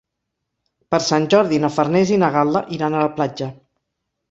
Per Sant Jordi na Farners i na Gal·la iran a la platja.